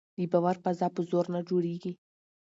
د باور فضا په زور نه جوړېږي